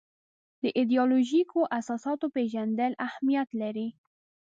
د ایدیالوژیکو اساساتو پېژندل اهمیت لري.